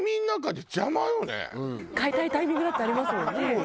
うん。替えたいタイミングだってありますもんね。